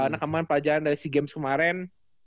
nakaman pelajaran dari si games kemarin